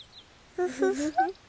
フフフフ。